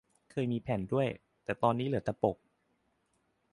เคยมีแผ่นด้วย แต่ตอนนี้เหลือแต่ปก